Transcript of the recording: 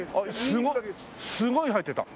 すごいすごい入ってた。